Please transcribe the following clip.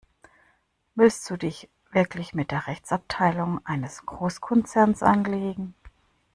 Willst du dich wirklich mit der Rechtsabteilung eines Großkonzerns anlegen?